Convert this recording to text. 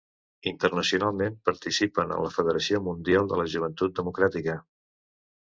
Internacionalment, participen en la Federació Mundial de la Joventut Democràtica.